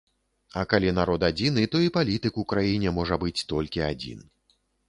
А калі народ адзіны, то і палітык у краіне можа быць толькі адзін.